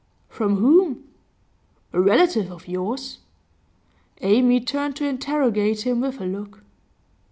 'From whom?' 'A relative of yours.' Amy turned to interrogate him with a look.